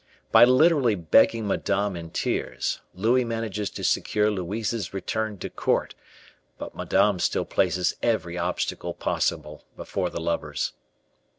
By literally begging Madame in tears, Louis manages to secure Louise's return to court but Madame still places every obstacle possible before the lovers.